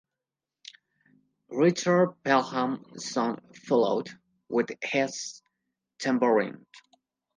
Richard Pelham soon followed with his tambourine.